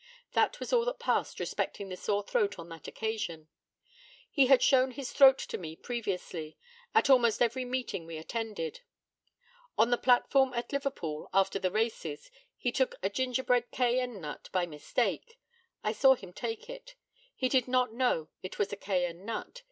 That was all that passed respecting the sore throat on that occasion. He had shown his throat to me previously at almost every meeting we attended. On the platform at Liverpool, after the races, he took a gingerbread cayenne nut by mistake. I saw him take it. He did not know it was a cayenne nut.